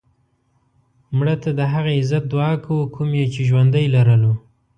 مړه ته د هغه عزت دعا کوو کوم یې چې ژوندی لرلو